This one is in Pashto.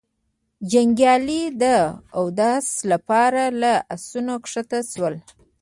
جنګيالي د اوداسه له پاره له آسونو کښته شول.